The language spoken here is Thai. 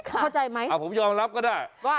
เอาผมยอมรับก็ได้